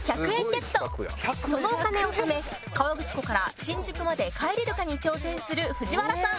「そのお金をため河口湖から新宿まで帰れるかに挑戦するＦＵＪＩＷＡＲＡさん」